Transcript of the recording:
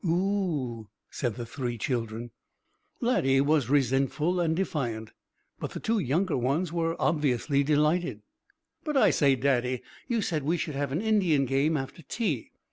"Oo!" said the three children. Laddie was resentful and defiant, but the two younger ones were obviously delighted. "But I say, Daddy, you said we should have an Indian game after tea.